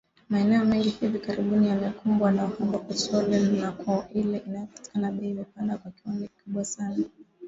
Maeneo mengi hivi karibuni yamekumbwa na uhaba wa petroli na kwa ile inayopatikana bei imepanda kwa kiwango kikubwa sana